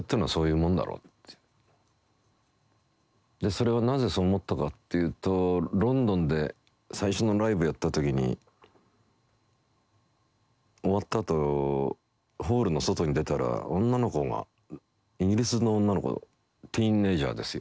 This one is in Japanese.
それはなぜそう思ったかっていうとロンドンで最初のライブやった時に終わったあとホールの外に出たら女の子がイギリスの女の子ティーンエージャーですよ。